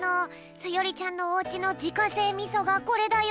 そよりちゃんのおうちのじかせいみそがこれだよ。